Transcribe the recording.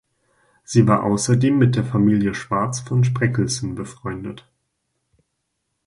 Sie war außerdem mit der Familie Schwarz von Spreckelsen befreundet.